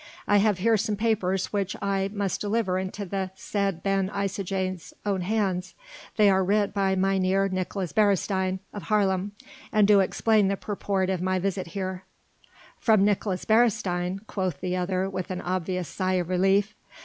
I have here some papers which I must deliver into the said Ben Isaje's own hands: they are writ by Mynheer Nicolaes Beresteyn of Haarlem and do explain the purport of my visit here." "From Nicolaes Beresteyn," quoth the other with an obvious sigh of relief.